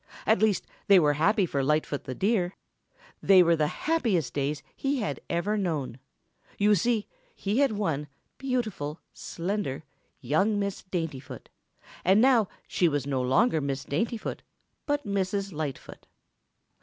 At least, they were happy for Lightfoot the Deer. They were the happiest days he had ever known. You see, he had won beautiful, slender, young Miss Daintyfoot, and now she was no longer Miss Daintyfoot but Mrs. Lightfoot.